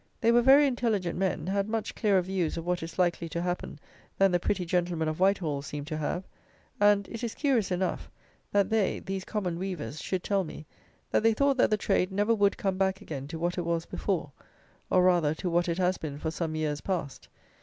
They were very intelligent men; had much clearer views of what is likely to happen than the pretty gentlemen of Whitehall seem to have; and, it is curious enough, that they, these common weavers, should tell me, that they thought that the trade never would come back again to what it was before; or, rather, to what it has been for some years past.